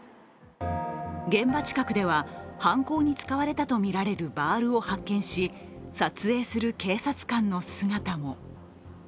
現場近くでは、犯行に使われたとみられるバールを発見し撮影する警察官の姿も。